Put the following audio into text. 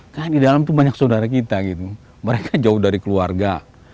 karena di dalam itu banyak saudara kita mereka jauh dari keluarga